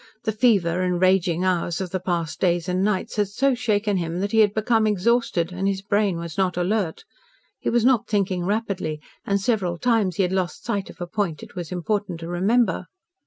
The fever and raging hours of the past days and nights had so shaken him that he had become exhausted, and his brain was not alert. He was not thinking rapidly, and several times he had lost sight of a point it was important to remember.